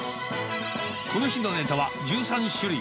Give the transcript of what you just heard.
この日のネタは１３種類。